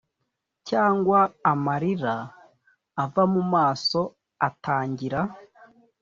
cyangwa amarira ava mumaso atangira;